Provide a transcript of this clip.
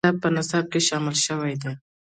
دا کتاب په نصاب کې شامل شوی دی.